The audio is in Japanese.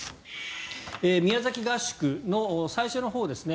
宮崎合宿の最初のほうですね